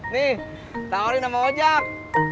nih tawarin sama ojak